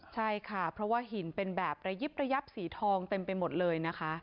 ใช่ค่ะเพราะว่าหินเป็นแบบระยิบระยับสีทองเต็มไปหมดเลยนะคะ